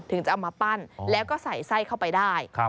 ถึงจะเอามาปั้นแล้วก็ใส่ไส้เข้าไปได้